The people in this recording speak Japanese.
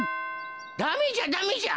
ダメじゃダメじゃ。